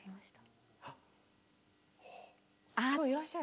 今日いらっしゃる？